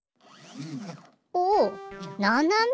おおななめ。